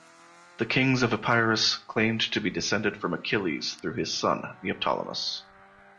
The kings of Epirus claimed to be descended from Achilles through his son, Neoptolemus.